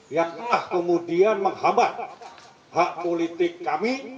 yang telah kemudian menghambat hak politik kami